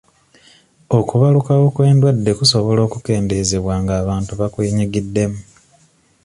Okubalukawo kw'endwadde kusobola okukeendezebwa ng'abantu bakwenyigiddemu.